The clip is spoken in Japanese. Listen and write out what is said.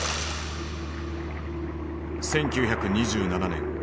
１９２７年。